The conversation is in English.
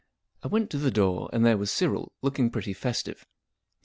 I went to the door, and there was Cyril, looking pretty festive.